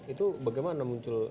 itu bagaimana muncul